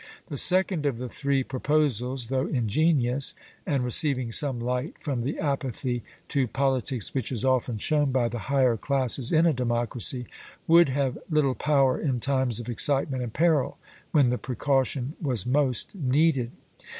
The second of the three proposals, though ingenious, and receiving some light from the apathy to politics which is often shown by the higher classes in a democracy, would have little power in times of excitement and peril, when the precaution was most needed.